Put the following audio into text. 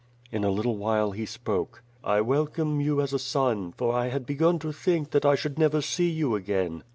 In a little while he spoke. "I welcome you as a son, for I had begun to think that I should never see you again.